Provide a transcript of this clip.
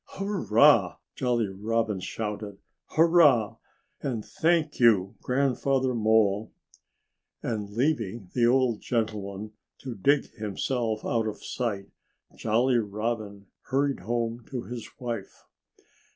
"Hurrah!" Jolly Robin shouted. "Hurrah and thank you, Grandfather Mole!" And leaving the old gentleman to dig himself out of sight, Jolly Robin hurried home to his wife.